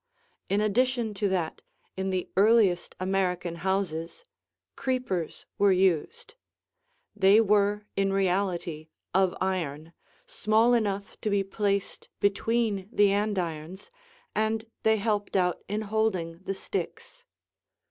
In addition to that, in the earliest American houses, creepers were used; they were, in reality, of iron, small enough to be placed between the andirons, and they helped out in holding the sticks.